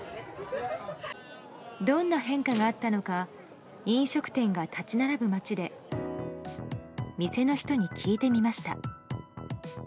どんな変化があったのか飲食店が立ち並ぶ街で店の人に聞いてみました。